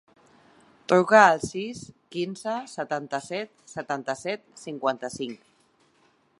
Truca al sis, quinze, setanta-set, setanta-set, cinquanta-cinc.